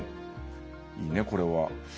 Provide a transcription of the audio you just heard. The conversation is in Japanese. いいね、これは。